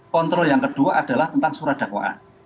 kontrol yang kedua adalah tentang surat dakwaan